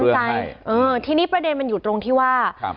แบบครับที่นี่ประเด็นมันอยู่ตรงที่ว่า